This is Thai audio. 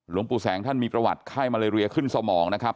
หลวงปู่แสงท่านมีประวัติไข้มาเลเรียขึ้นสมองนะครับ